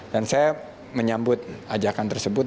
dan saya menyambut ajakan tersebut